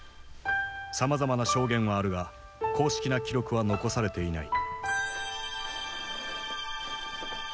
さまざまな証言はあるが公式な記録は残されていない。